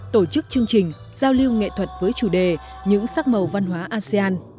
tổ chức chương trình giao lưu nghệ thuật với chủ đề những sắc màu văn hóa asean